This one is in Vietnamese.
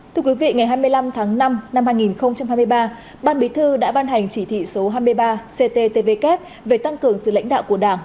thưa quý vị ngày hai mươi năm tháng năm năm hai nghìn hai mươi ba ban bí thư đã ban hành chỉ thị số hai mươi ba cttvk về tăng cường sự lãnh đạo của đảng